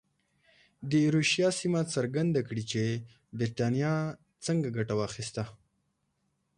د ایروشیا سیمه څرګنده کړي چې برېټانیا څنګه ګټه واخیسته.